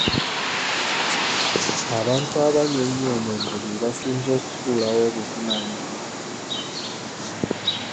Abantu abanywa ennyo omwenge be basinze okusuulawo obuvunaanyizibwa.